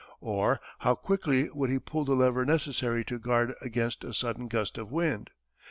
Or how quickly would he pull the lever necessary to guard against a sudden gust of wind.